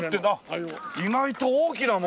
意外と大きなもんだね！